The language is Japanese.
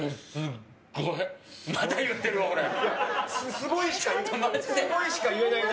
すごいしか言えないな。